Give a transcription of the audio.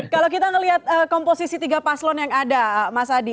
kalau kita melihat komposisi tiga paslon yang ada mas adi